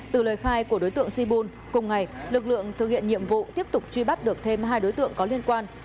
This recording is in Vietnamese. từ lời khai của đối tượng sibul cùng ngày lực lượng thực hiện nhiệm vụ tiếp tục truy bắt được thêm hai đối tượng có liên quan